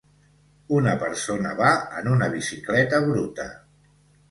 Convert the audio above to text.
Una persona va en una bicicleta bruta.